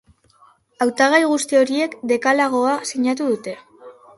Hautagai guzti horiek dekalagoa sinatu dute.